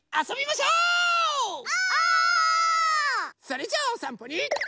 それじゃあおさんぽに。